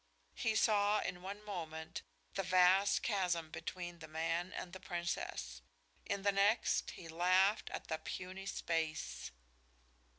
He saw, in one moment, the vast chasm between the man and the princess; in the next, he laughed at the puny space.